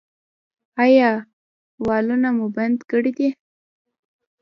ایا والونه مو بدل کړي دي؟